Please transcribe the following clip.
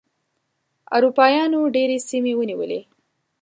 اروپایانو ډېرې سیمې ونیولې.